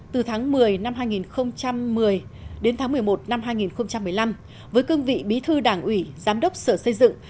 từ tháng một mươi năm hai nghìn một mươi đến tháng một mươi một năm hai nghìn một mươi năm với cương vị bí thư đảng ủy giám đốc sở xây dựng